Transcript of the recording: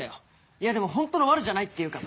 いやでもホントのワルじゃないっていうかさ。